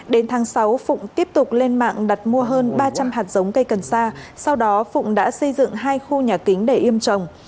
đến tháng sáu phụng tiếp tục lên mạng đặt mua hơn ba trăm linh hạt giống cây cần sa sau đó phụng đã xây dựng hai khu nhà kính để im trồng